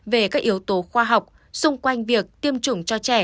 về các yếu tố khoa học xung quanh việc tiêm chủng cho trẻ